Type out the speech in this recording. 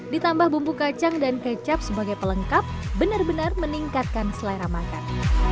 ditambah bumbu kacang dan kecap sebagai pelengkap benar benar meningkatkan selera makan